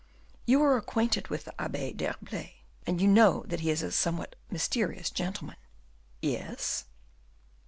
"You are acquainted with the Abbe d'Herblay, and you know that he is a somewhat mysterious gentleman." "Yes."